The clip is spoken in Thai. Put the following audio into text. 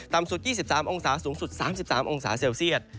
สุด๒๓องศาสูงสุด๓๓องศาเซลเซียต